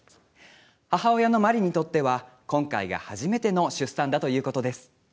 母親のマリにとっては、今回が初めての出産だということです。」